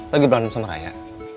lagi berlalu sama raya